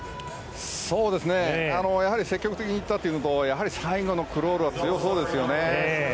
やはり積極的にいったというのと最後のクロールは強そうですよね。